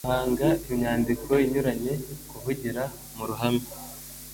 guhanga imyandiko inyuranye, kuvugira mu ruhame.